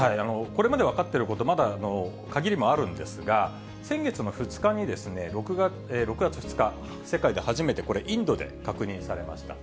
これまで分かっていること、まだ限りもあるんですが、先月の２日に、６月２日、世界で初めてこれ、インドで確認されました。